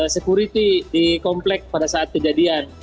security di komplek pada saat kejadian